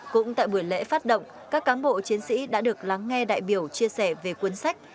cũng tại buổi lễ phát động các cán bộ chiến sĩ đã được lắng nghe đại biểu chia sẻ về cuốn sách